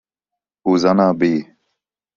Osanna b’’.